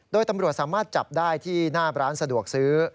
โดยตำรวจสามารถจับได้ที่หน้าร้านสะดวกซื้อ